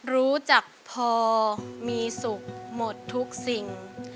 รู้จักพอมีสุขหมดทุกสิ่ง